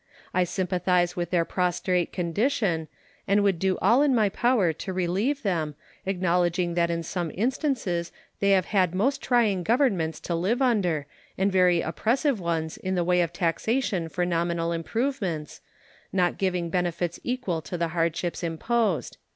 I sympathize with their prostrate condition, and would do all in my power to relieve them, acknowledging that in some instances they have had most trying governments to live under, and very oppressive ones in the way of taxation for nominal improvements, not giving benefits equal to the hardships imposed.